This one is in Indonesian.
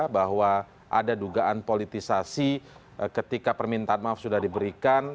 bahwa ada dugaan politisasi ketika permintaan maaf sudah diberikan